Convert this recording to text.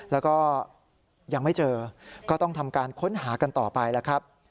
แล้วก็ยังไม่เจอก็ต้องทำการค้นหากันต่อไปแล้วครับ